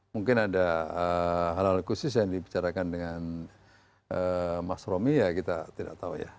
mungkin ada hal hal khusus yang dibicarakan dengan mas romy ya kita tidak tahu ya